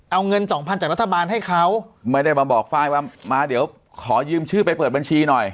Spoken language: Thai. เอาเงินสองพันจากรัฐบาลให้เขาไม่ได้มาบอกไฟล์ว่ามาเดี๋ยวขอยืมชื่อไปเปิดบัญชีหน่อย